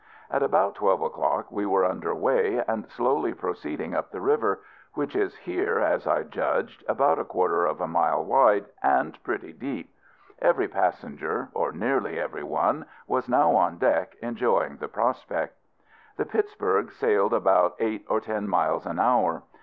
At about twelve o'clock we were under weigh, and slowly proceeding up the river, which is here, as I judged, about a quarter of a mile wide, and pretty deep. Every passenger, or nearly every one, was now on deck enjoying the prospect. The Pittsburg sailed about eight or ten miles an hour.